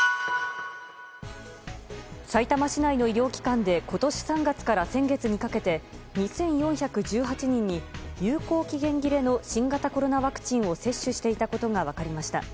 さいたま市内の医療機関で今年３月から先月にかけて２４１８人に有効期限切れの新型コロナワクチンを接種していたことが分かりました。